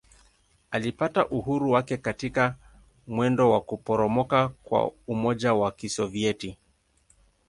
Ilipata uhuru wake katika mwendo wa kuporomoka kwa Umoja wa Kisovyeti.